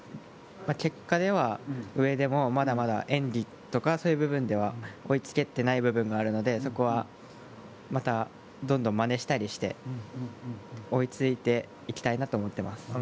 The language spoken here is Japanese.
結果では、上でもまだまだ演技とかそういう部分では追いつけていない部分があるのでそこはまたどんどん、まねしたりして追いついていきたいなと思っています。